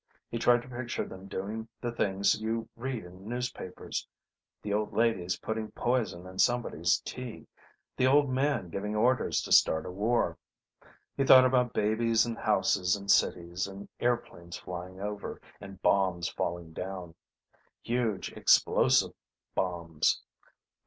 He tried to picture them doing the things you read in newspapers: the old ladies putting poison in somebody's tea; the old man giving orders to start a war. He thought about babies in houses in cities, and airplanes flying over, and bombs falling down: huge explosive bombs.